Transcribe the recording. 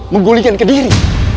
menggulingkan ke diri